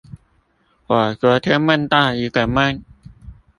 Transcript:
我昨天夢到一個夢